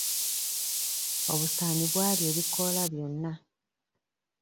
Obusaanyi bwalya ebikoola byonna.